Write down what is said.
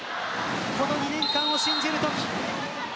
この２年間を信じるとき。